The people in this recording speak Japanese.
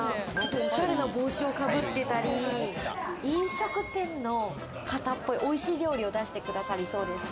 おしゃれな帽子をかぶってたり、飲食店の方っぽい、美味しい料理を出してくださりそうです。